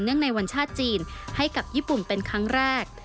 ในวันชาติจีนให้กับญี่ปุ่นเป็นครั้งแรก